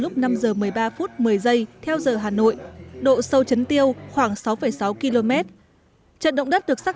lúc năm giờ một mươi ba phút một mươi giây theo giờ hà nội độ sâu chấn tiêu khoảng sáu sáu km trận động đất được xác